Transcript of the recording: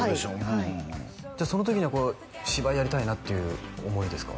はいじゃあその時にはこう芝居やりたいなっていう思いですか？